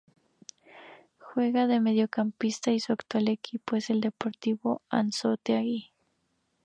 Juega de mediocampista y su actual equipo es el Deportivo Anzoátegui.